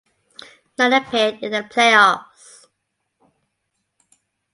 None appeared in the playoffs.